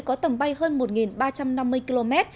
có tầm bay hơn một ba trăm năm mươi km